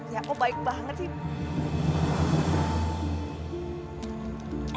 ya kok baik banget sih